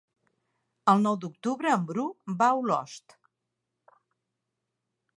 El nou d'octubre en Bru va a Olost.